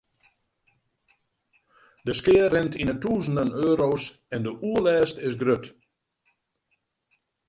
De skea rint yn 'e tûzenen euro's en de oerlêst is grut.